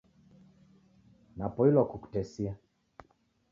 Napoilwa kukutesia.